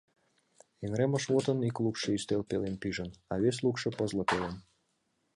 Эҥыремышвотын ик лукшо ӱстел пелен пижын, а вес лукшо — пызле пелен.